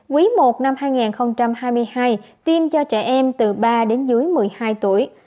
quý i năm hai nghìn hai mươi hai tiêm cho trẻ em từ ba đến dưới một mươi hai tuổi